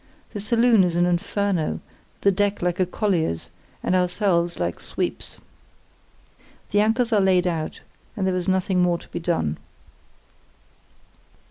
The saloon is an inferno, the deck like a collier's, and ourselves like sweeps. "The anchors are laid out, and there is nothing more to be done.